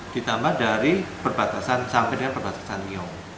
ditambah dari perbatasan sampai dengan perbatasan rio